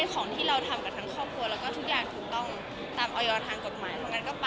ก็มันว่ายังไงเรื่องเท่านี่ค่อนข้างใหญ่ในสังคมตอนนี้นะคะ